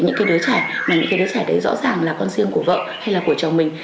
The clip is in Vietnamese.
những cái đứa trẻ mà những cái đứa trẻ đấy rõ ràng là con riêng của vợ hay là của chồng mình